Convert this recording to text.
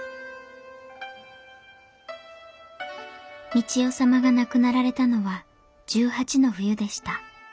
三千代様が亡くなられたのは１８歳の冬でした。